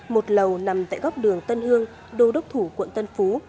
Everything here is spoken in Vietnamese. một lầu nằm tại góc đường tân hương đô đốc thủ quận tân phú